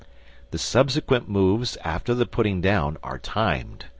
] (3) The subsequent moves after the putting down are timed.